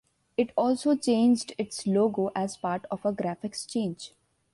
It also changed its logo as part of a graphics change.